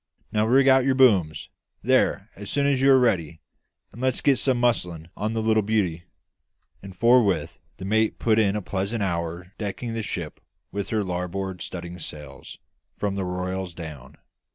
Now rig out your booms, there, as soon as you are ready, and let's get some muslin on the little beauty." And forthwith the mate put in a pleasant hour decking the ship with her larboard studding sails, from the royals down.